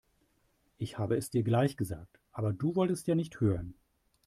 Ich habe es dir gleich gesagt, aber du wolltest ja nicht hören.